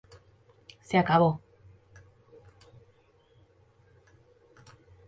Se acabó.